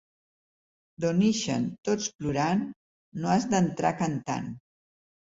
D'on ixen tots plorant, no has d'entrar cantant.